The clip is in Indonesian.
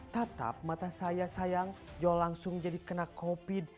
tatap mata saya sayang joh langsung jadi kena covid